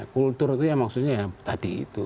kulturnya maksudnya tadi itu